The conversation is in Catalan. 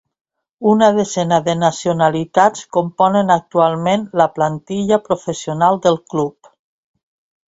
Una desena de nacionalitats componen actualment la plantilla professional del club.